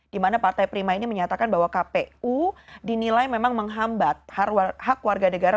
dimana partai prima ini menyatakan bahwa kpu dinilai memang menghambat hak warga negara